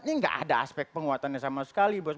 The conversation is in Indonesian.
ini nggak ada aspek penguatannya sama sekali bos